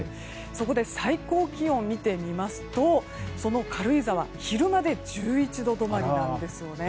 そこで最高気温を見てみるとその軽井沢、昼間で１１度止まりです。